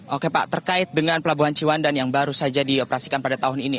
oke pak terkait dengan pelabuhan ciwandan yang baru saja dioperasikan pada tahun ini